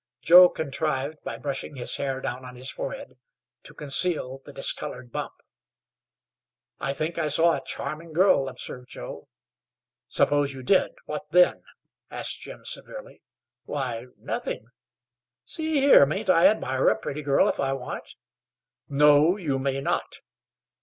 Joe contrived, by brushing his hair down on his forehead, to conceal the discolored bump. "I think I saw a charming girl," observed Joe. "Suppose you did what then?" asked Jim, severely. "Why nothing see here, mayn't I admire a pretty girl if I want?" "No, you may not.